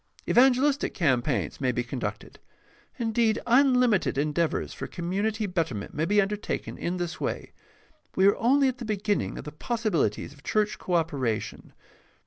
Evangelistic campaigns may be conducted. Indeed, unlimited endeavors for com munity betterment may be undertaken in this way. We are only at the beginning of the possibilities of church co operation.